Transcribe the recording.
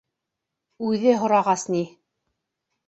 Үҙе һорағас ни...